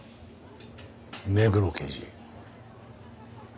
目黒刑事。